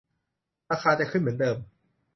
ราคาจะขึ้นเหมือนเดิม